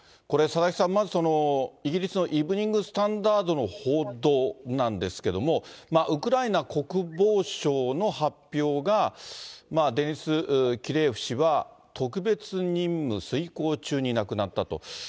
これ、佐々木さん、まずイギリスのイブニング・スタンダードの報道なんですけれども、ウクライナ国防省の発表がデニス・キレーエフ氏が、特別任務遂行中に亡くなったと。